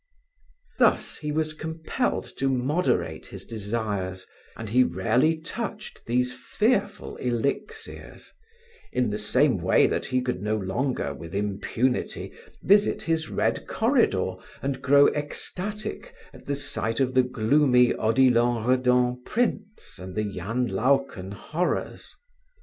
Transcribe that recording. Thus he was compelled to moderate his desires, and he rarely touched these fearful elixirs, in the same way that he could no longer with impunity visit his red corridor and grow ecstatic at the sight of the gloomy Odilon Redon prints and the Jan Luyken horrors.